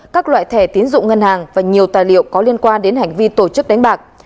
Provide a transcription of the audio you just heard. các loại thẻ tiến dụng ngân hàng và nhiều tài liệu có liên quan đến hành vi tổ chức đánh bạc